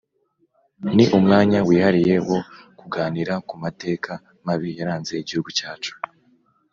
Ni umwanya wihariye wo kuganira ku mateka mabi yaranze Igihugu cyacu